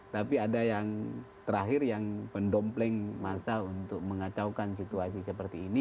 tapi ada yang terakhir yang mendompleng masa untuk mengacaukan situasi seperti ini